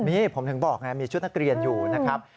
มีผมถึงบอกไงมีชุดนักเรียนอยู่นะครับ